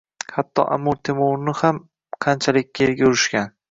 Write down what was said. Hatto Amir Temurni ham qanchalik yerga urishgan.